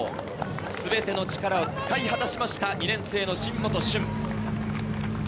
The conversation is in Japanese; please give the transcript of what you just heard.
全ての力を使い果たしました、２年生の新本駿。